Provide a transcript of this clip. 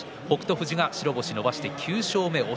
富士が白星を伸ばして９勝目です。